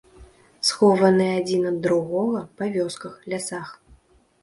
Схованы адзін ад другога па вёсках, лясах.